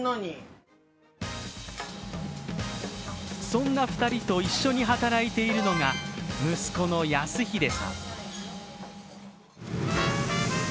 そんな２人と一緒に働いているのが息子の康秀さん。